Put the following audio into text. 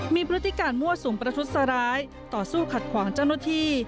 มีพฤติการมั่วสุมประทุษร้ายต่อสู้ขัดขวางเจ้าหน้าที่